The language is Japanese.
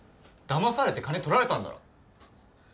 だまされて金取られたんだろ？